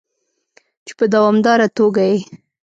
چې په دوامداره توګه یې